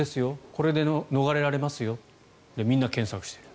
これで逃れられますよとみんな検索している。